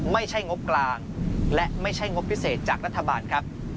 งบกลางและไม่ใช่งบพิเศษจากรัฐบาลครับ